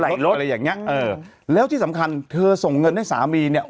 รถอะไรอย่างเงี้เออแล้วที่สำคัญเธอส่งเงินให้สามีเนี่ย